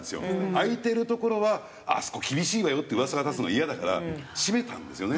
開いてるところはあそこ厳しいわよって噂が立つのイヤだから閉めたんですよね。